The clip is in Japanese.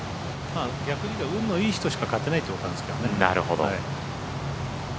逆に言うと、運のいい人しか勝てないということですね。